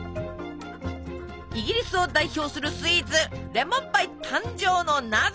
イギリスを代表するスイーツレモンパイ誕生の謎。